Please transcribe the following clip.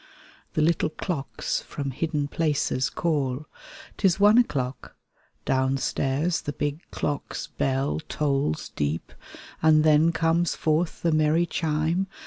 The little clocks from hidden places call, Tis one o'clock; downstairs the big clock's bell Tolls deep, and then comes forth the merry chime.